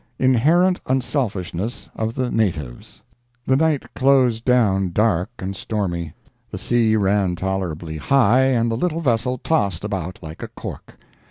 INHERENT UNSELFISHNESS OF THE NATIVES The night closed down dark and stormy. The sea ran tolerably high and the little vessel tossed about like a cork.